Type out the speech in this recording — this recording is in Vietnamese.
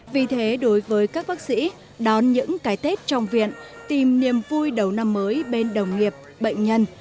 vì thế đối với các bác sĩ đón những cái tết trong viện tìm niềm vui đầu năm mới bên đồng nghiệp bệnh nhân